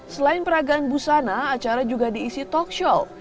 selain peragaan busana acara juga diisi talk show